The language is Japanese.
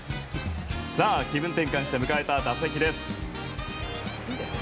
さあ、気分転換して迎えた打席です。